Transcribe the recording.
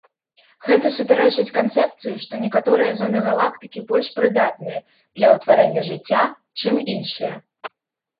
Гэта супярэчыць канцэпцыі, што некаторыя зоны галактыкі больш прыдатныя для ўтварэння жыцця, чым іншыя.